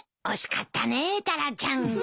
惜しかったねえタラちゃん。